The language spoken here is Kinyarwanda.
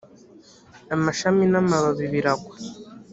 amashami n amababi biragwa